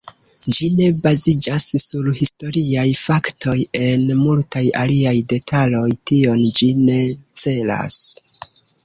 Ĝi ne baziĝas sur historiaj faktoj en multaj aliaj detaloj; tion ĝi ne celas.